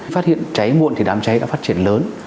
phát hiện cháy muộn thì đám cháy đã phát triển lớn